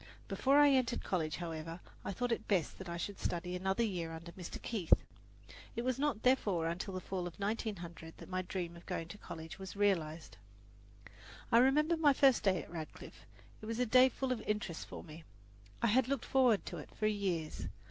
Before I entered college, however, it was thought best that I should study another year under Mr. Keith. It was not, therefore, until the fall of 1900 that my dream of going to college was realized. I remember my first day at Radcliffe. It was a day full of interest for me. I had looked forward to it for years.